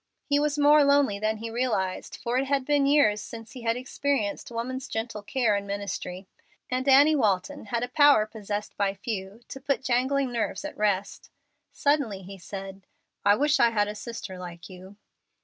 He was more lonely than he realized, for it had been years since he had experienced woman's gentle care and ministry; and Annie Walton had a power possessed by few to put jangling nerves at rest. Suddenly he said, "I wish I had a sister like you."